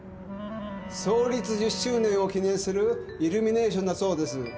創立１０周年を記念するイルミネーションだそうです。